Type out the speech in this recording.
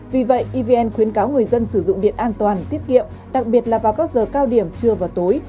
vì vậy evn khuyến cáo người dân sử dụng điện an toàn tiết kiệm đặc biệt là vào các giờ cao điểm trưa và tối